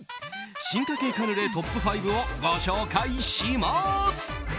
進化系カヌレトップ５をご紹介します。